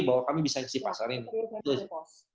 bahwa kami bisa di pasar ini